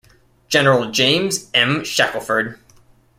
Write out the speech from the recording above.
General James M. Shackelford.